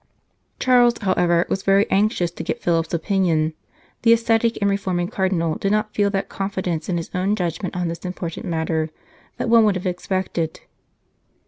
Charles, however, was very anxious to get Philip s opinion. The ascetic and reforming Cardinal did not feel that confidence in his own judgment on this important matter that one would have expected.